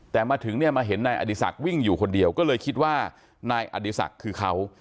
แต่มาถึงเนี่ยมาเห็นนายอดีศักดิ์วิ่งอยู่คนเดียวก็เลยคิดว่านายอดีศักดิ์คือเขา